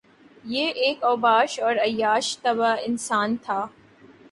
یہ ایک اوباش اور عیاش طبع انسان تھا